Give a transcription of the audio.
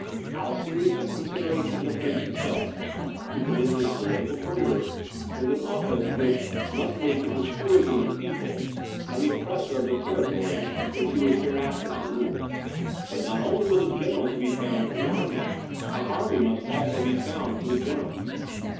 How serious a consideration for the prince himself, to commence his political career, with an office which must make him the scourge of his people, and the oppressor of the territories which he was hereafter to rule. But not only was a general to be found for the army; an army must also be found for the general.